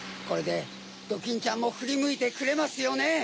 これでドキンちゃんもふりむいてくれますよね？